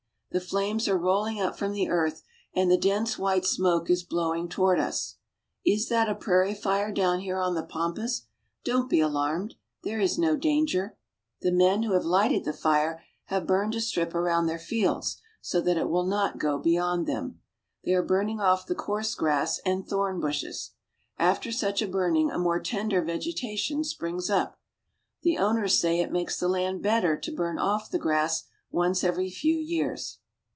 The flames are rolHng up from the earth, and the dense white smoke is blowing toward us. Is that a prairie fire down here on the pampas? Don't be alarmed. There is no danger. " Now they have caught one with a lasso." The men who have lighted the fire have burned a strip around their fields so that it will not go beyond them. They are burning off the coarse grass and thorn bushes. After such a burning a more tender vegetation springs up. The owners say it makes the land better to burn off the grass once every few years.